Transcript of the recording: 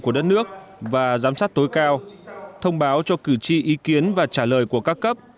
của đất nước và giám sát tối cao thông báo cho cử tri ý kiến và trả lời của các cấp